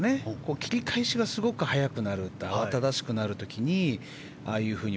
切り返しがすごく速くなって慌ただしくなる時にああいうふうに。